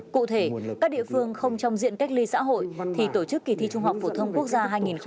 cụ thể các địa phương không trong diện cách ly xã hội thì tổ chức kỳ thi trung học phổ thông quốc gia hai nghìn một mươi chín